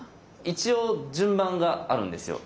一応順番があるんですよ。